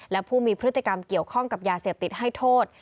และผู้มีพฤติกรรมเกี่ยวข้องกับยาเสพติดให้โทษ